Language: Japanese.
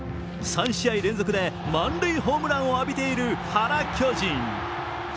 ３試合連続で満塁ホームランを浴びている原巨人。